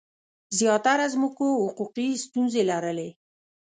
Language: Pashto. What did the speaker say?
زیاتره ځمکو حقوقي ستونزې لرلې.